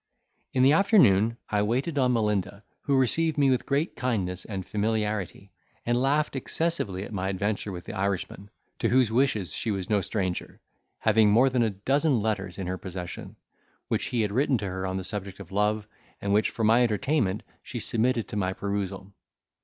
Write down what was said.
In the afternoon, I waited on Melinda, who received me with great kindness and familiarity, and laughed excessively at my adventure with the Irishman, to whose wishes she was no stranger, having more than a dozen letters in her possession, which he had written to her on the subject of love, and which, for my entertainment, she submitted to my perusal.